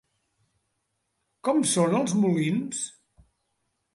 Com són els molins?